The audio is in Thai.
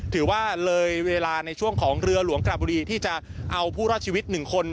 ถือว่าเลยเวลาในช่วงของเรือหลวงกระบุรีที่จะเอาผู้รอดชีวิต๑คน